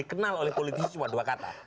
kenal oleh politik cuma dua kata